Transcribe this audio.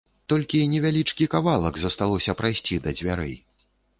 Толькі невялічкі кавалак засталося прайсці да дзвярэй.